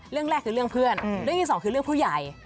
เรื่องแรกคือเรื่องเพื่อนเรื่องที่สองคือเรื่องผู้ใหญ่